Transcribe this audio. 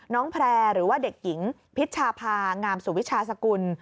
แพร่หรือว่าเด็กหญิงพิชภางามสุวิชาสกุล